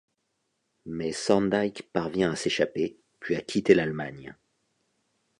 Mais Thorndyke parvient à s'échapper, puis à quitter l'Allemagne.